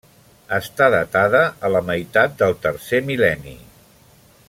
Està datada a la meitat del tercer mil·lenni.